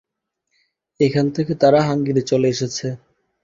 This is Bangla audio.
এখান থেকে তারা হাঙ্গেরিতে চলে এসেছে।